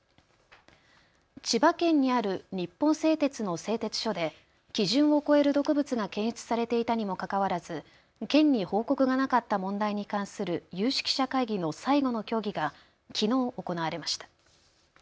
千葉県にある日本製鉄の製鉄所で基準を超える毒物が検出されていたにもかかわらず県に報告がなかった問題に関する有識者会議の最後の協議がきのう行われました。